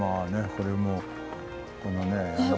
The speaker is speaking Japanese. これもうこのね。